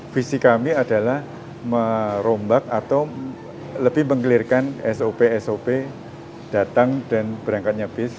visi kami adalah merombak atau lebih menggelirkan sop sop datang dan berangkatnya bis